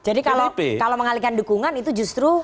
jadi kalau mengalihkan dukungan itu justru